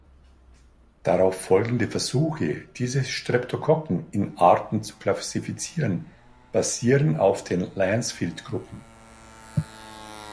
Darauf folgende Versuche, diese Streptokokken in Arten zu klassifizieren, basieren auf den Lancefield-Gruppen.